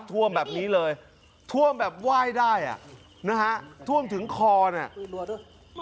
ท่วมแบบนี้เลยท่วมแบบไหว้ได้อ่ะนะฮะท่วมถึงคอน่ะ